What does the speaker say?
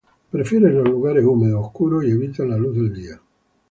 Prefieren los lugares húmedos, oscuros y evitan la luz del día.